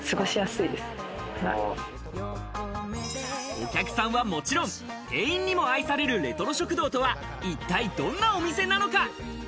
お客さんはもちろん、店員にも愛されるレトロ食堂とは一体、どんなお店なのか？